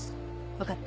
分かった。